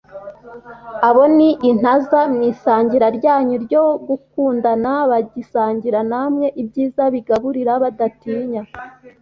abo ni intaza mu isangira ryanyu ryo gukundana bagisangira namwe ibyiza bigaburira badatinya